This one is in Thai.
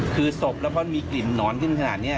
คือศพแล้วพอมีกลิ่นหนอนขึ้นขนาดนี้